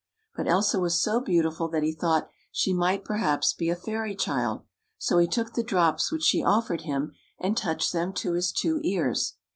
But Elsa was so beautiful' that he thought she might perhaps be a fairy child, so he took the drops which she offered him, and touched them to his two ears.